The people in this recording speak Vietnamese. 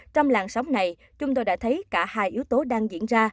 trong làn sóng này chúng tôi đã thấy cả hai yếu tố đang diễn